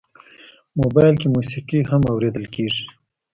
موبایل کې موسیقي هم اورېدل کېږي.